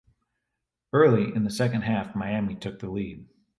Early in the second half Miami took the lead.